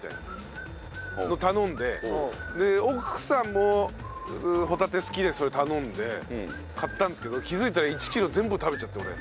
奥さんもホタテ好きでそれ頼んで買ったんですけど気づいたら１キロ全部食べちゃって俺。